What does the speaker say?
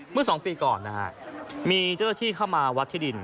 เมื่อ๒ปีก่อนนะฮะมีเจ้าหน้าที่เข้ามาวัดที่ดิน